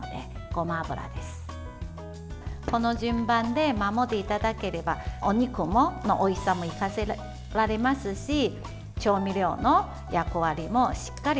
この順番を守っていただければお肉のおいしさも生かせますし調味料の役割もしっかりと果たせると思いますね。